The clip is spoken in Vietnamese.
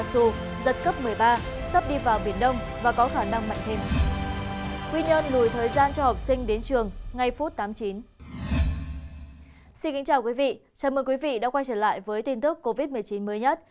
xin kính chào quý vị chào mừng quý vị đã quay trở lại với tin tức covid một mươi chín mới nhất